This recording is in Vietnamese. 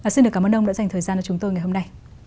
xin được cảm ơn ông đã dành thời gian cho chúng tôi ngày hôm nay